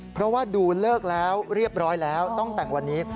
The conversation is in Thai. เพราะว่าดูเลิกแล้วเรียบร้อยแล้วต้องแต่งวันนี้